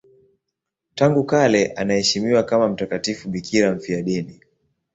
Tangu kale anaheshimiwa kama mtakatifu bikira mfiadini.